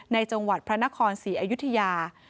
จังหวัดพระนครศรีอยุธยา